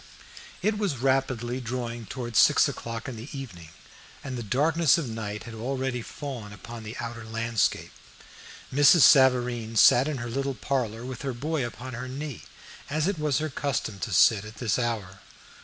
It was rapidly drawing towards six o'clock in the evening, and the darkness of night had already fallen upon the outer landscape. Mrs. Savareen sat in her little parlor with her boy upon her knee, as it was her custom to sit at this hour.